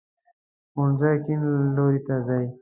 ښوونځی کیڼ لوري ته دی